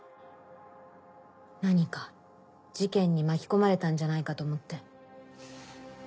何か事件に巻き込まれたんじゃないかと思って。